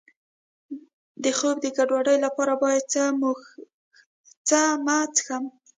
د خوب د ګډوډۍ لپاره باید څه مه څښم؟